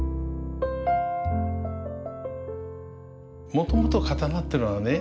もともと刀ってのはね